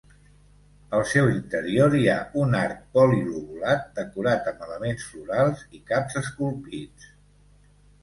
Al seu interior hi ha un arc polilobulat decorat amb elements florals i caps esculpits.